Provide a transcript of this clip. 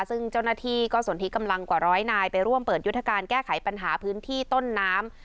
ซึ่งเจ้าหน้าที่ก็ส่วนที่กำลังกว่าร้อยนายไปร่วมเปิดยุทธการแก้ไขปัญหาพื้นที่ต้นน้ำ